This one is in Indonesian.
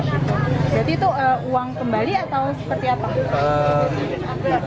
jadi itu uang kembali atau seperti apa